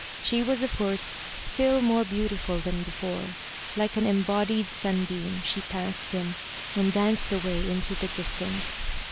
She was of course still more beautiful than before. Like an embodied sunbeam she passed him, and danced away into the distance.